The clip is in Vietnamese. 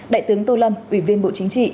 đại tướng tô lâm ủy viên bộ chính trị